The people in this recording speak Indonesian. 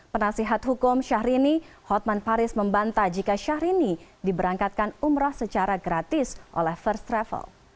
penasihat hukum syahrini hotman paris membantah jika syahrini diberangkatkan umrah secara gratis oleh first travel